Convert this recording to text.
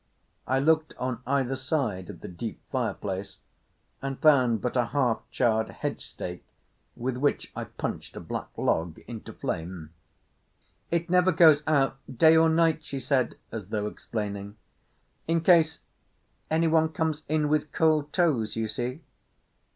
I looked on either side of the deep fireplace, and found but a half charred hedge stake with which I punched a black log into flame. "It never goes out, day or night," she said, as though explaining. "In case any one comes in with cold toes, you see."